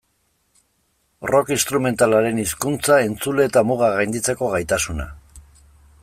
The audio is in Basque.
Rock instrumentalaren hizkuntza, entzule eta mugak gainditzeko gaitasuna.